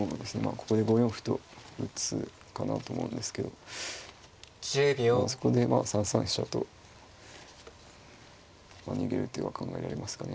ここで５四歩と打つかなと思うんですけどそこで３三飛車と逃げる手は考えられますかね。